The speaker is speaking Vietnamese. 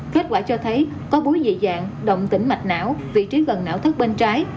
kết quả cho thấy có búi dị dạng động tỉnh mạch não vị trí gần não thất bên trái